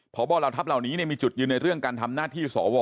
พบเหล่าทัพเหล่านี้มีจุดยืนในเรื่องการทำหน้าที่สว